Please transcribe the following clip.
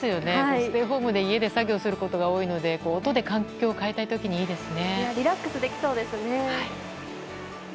ステイホームで家で作業することが多いので、音で環境を変えたい時いいですね。